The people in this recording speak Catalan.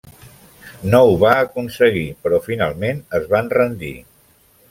No ho va aconseguir, però finalment es van rendir.